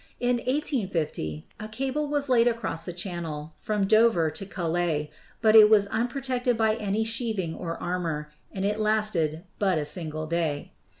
In 1850 a cable was laid across the channel, from Dover to Calais, but it was unprotected by any sheathing or armor, and it lasted but a single day.